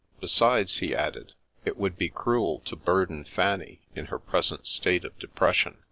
Besides, he added, it would be cruel to burden Fanny, in her present state of depression.